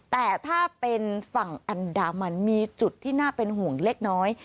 แต่ถ้าเป็นฝั่งอันดามันมีจุดที่น่าเป็นห่วงเล็กน้อย